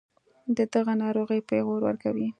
دَدغه ناروغۍپېغور ورکوي